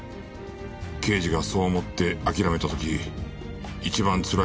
刑事がそう思って諦めた時一番つらいのは刑事じゃない。